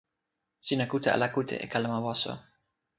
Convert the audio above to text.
sina kute ala kute e kalama waso?